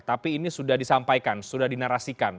tapi ini sudah disampaikan sudah dinarasikan